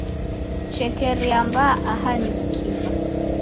Shekeria mbaa aha ni w'ukiw'a.